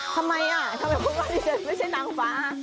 ทำไมอ่ะทำไมคุณก็ไม่ใช่นางฟ้า